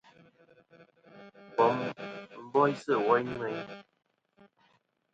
Bom nɨn boysɨ woyn ŋweyn.